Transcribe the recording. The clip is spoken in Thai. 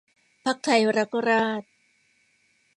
พรรคไทยรักราษฎร์